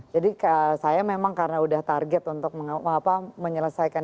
jadi saya memang karena udah target untuk menyelesaikan